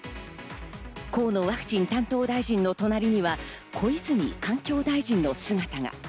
河野ワクチン担当大臣の隣には小泉環境大臣の姿が。